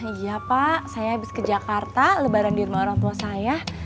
iya pak saya habis ke jakarta lebaran di rumah orang tua saya